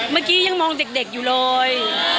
เมื่อกี้ยังมองเด็กอยู่เลย